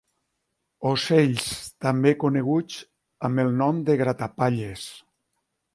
Ocells també coneguts amb el nom de gratapalles.